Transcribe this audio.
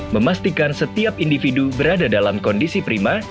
memastikan setiap individu berada dalam kondisi prima